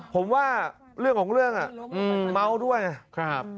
ผมว่าเรื่องของเรื่องอ่ะเมาด้วยไงครับ